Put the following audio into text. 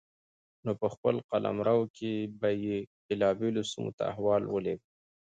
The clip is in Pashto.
نو په خپل قلمرو کې به يې بېلابېلو سيمو ته احوال ولېږه